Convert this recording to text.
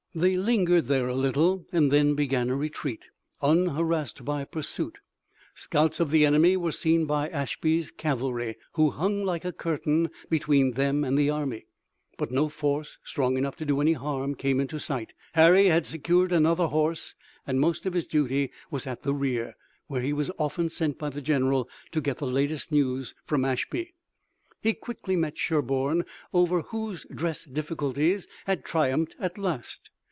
They lingered there a little and then began a retreat, unharrassed by pursuit. Scouts of the enemy were seen by Ashby's cavalry, who hung like a curtain between them and the army, but no force strong enough to do any harm came in sight. Harry had secured another horse and most of his duty was at the rear, where he was often sent by the general to get the latest news from Ashby. He quickly met Sherburne over whose dress difficulties had triumphed at last.